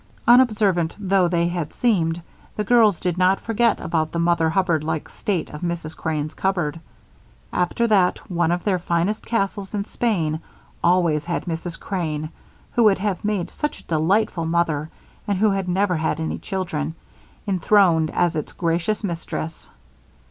Unobservant though they had seemed, the girls did not forget about the Mother Hubbardlike state of Mrs. Crane's cupboard. After that one of their finest castles in Spain always had Mrs. Crane, who would have made such a delightful mother and who had never had any children, enthroned as its gracious mistress.